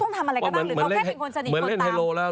ก็เหมือนเล่นเฮโร่แล้ว